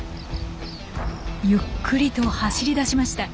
ゆっくりと走り出しました。